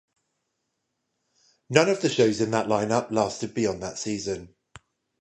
None of the shows in the lineup lasted beyond that season.